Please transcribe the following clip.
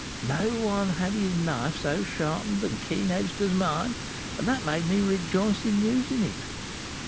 No one had his knife so sharpened and keen edged as mine; and that made me rejoice in using it.